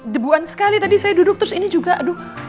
debuan sekali tadi saya duduk terus ini juga aduh